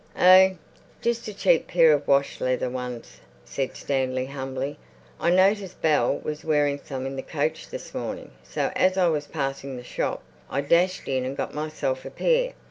"Oh, just a cheap pair of wash leather ones," said Stanley humbly. "I noticed Bell was wearing some in the coach this morning, so, as I was passing the shop, I dashed in and got myself a pair.